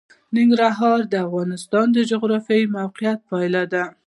ننګرهار د افغانستان د جغرافیایي موقیعت پایله ده.